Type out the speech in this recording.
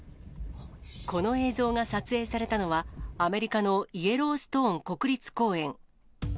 この映像が撮影されたのは、アメリカのイエローストーン国立公園。